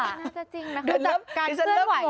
การขึ้นไหวแล้ว